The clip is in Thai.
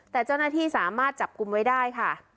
แต่เจ้าหน้าที่สามารถจับกลุ่มไว้ได้ค่ะ